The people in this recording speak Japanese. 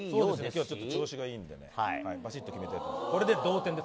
今日は調子がいいのでバシッと決めたいと思います。